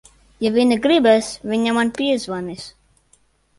Ja viņa gribēs, viņa man piezvanīs.